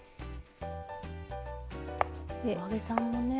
お揚げさんもね